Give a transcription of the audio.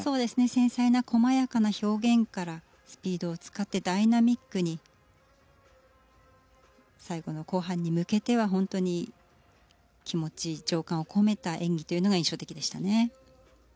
繊細な、細やかな表現からスピードを使ってダイナミックに最後の後半に向けては本当に気持ち、情感を込めた演技というのが印象的でしたね。